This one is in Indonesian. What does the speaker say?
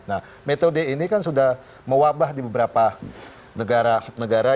nah metode ini kan sudah mewabah di beberapa negara